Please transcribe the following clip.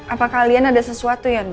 apa kalian ada sesuatu ya no